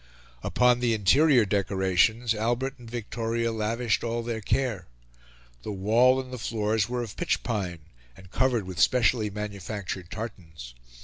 Upon the interior decorations Albert and Victoria lavished all their care. The wall and the floors were of pitch pine, and covered with specially manufactured tartars.